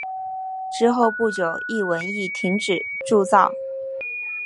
之后不久一文亦停止铸造。